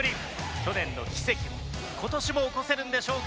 去年の奇跡を今年も起こせるんでしょうか？